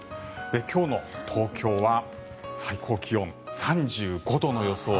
今日の東京は最高気温３５度の予想。